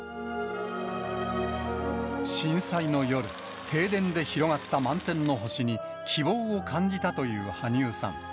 震災の夜、停電で広がった満天の星に、希望を感じたという羽生さん。